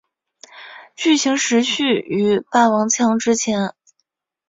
剧情时序于霸王枪之前。